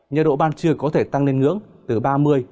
nhiệt độ ban trưa có thể tăng lên ngưỡng từ ba mươi ba mươi độ